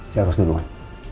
saya harus duluan